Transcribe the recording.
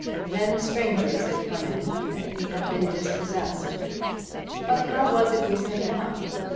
Then strangers had come in, and he had been dispossessed. But how was it with him now?